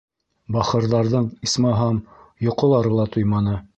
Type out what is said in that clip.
Бахырҙарҙың, исмаһам, йоҡолары ла туйманы.